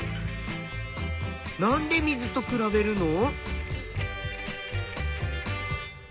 なんで水と比べるの？